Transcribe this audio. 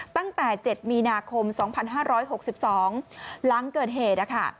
ตั้งแต่๗มีนาคม๒๕๖๒หลังเกิดเหตุ